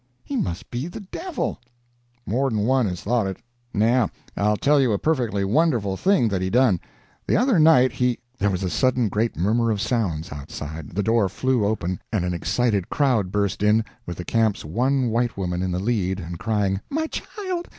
"He must be the devil!" "More than one has thought it. Now I'll tell you a perfectly wonderful thing that he done. The other night he " There was a sudden great murmur of sounds outside, the door flew open, and an excited crowd burst in, with the camp's one white woman in the lead and crying, "My child!